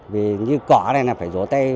vì như cỏ này là phải rổ tay